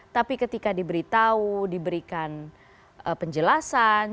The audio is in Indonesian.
tapi ketika diberitahu diberikan penjelasan